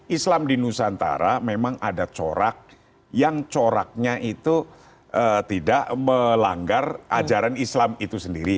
islam di nusantara memang ada corak yang coraknya itu tidak melanggar ajaran islam itu sendiri